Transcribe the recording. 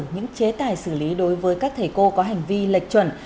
những chế tài xử lý đối với các thầy cô có hành vi lệch chuẩn